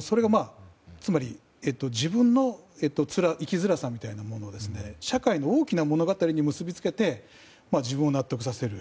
それが、つまり自分の生きづらさみたいなものを社会の大きな物語に結び付けて自分を納得させる。